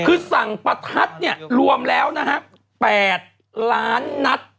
คือสั่งประทัดเนี่ยรวมแล้วนะฮะ๘ล้านนัด